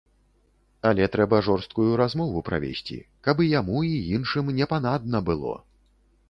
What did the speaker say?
Але трэба жорсткую размову правесці, каб і яму, і іншым не панадна было.